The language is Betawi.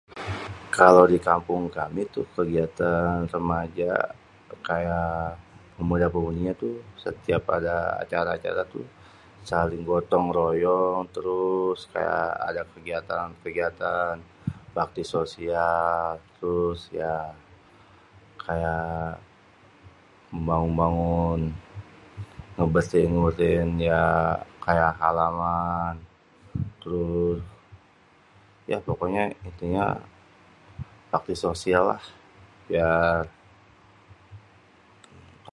kalo di kampung kami tuh keliatan rémaja kayak pémuda-pémudinya tuh sétiap ada acara-acara tuh saling gotong royong.. térus kayak ada kégiatan-kégiatan bakti sosial.. térus ya kayak mbangun-mbangun ngébérsihin rutin ya kayak halaman.. terus ya pokoknya intinya bakti sosial lah..